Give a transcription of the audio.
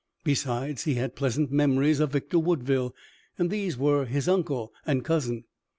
Besides, he had pleasant memories of Victor Woodville, and these were his uncle and cousin.